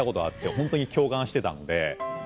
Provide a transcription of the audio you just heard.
ホントに共感してたので。